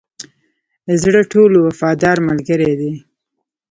زړه ټولو وفادار ملګری دی.